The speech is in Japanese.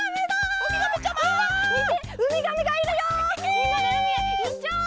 みんなでうみへいっちゃおう！